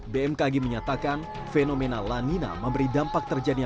bmkg menyatakan fenomena lanina memberi dampak terjadinya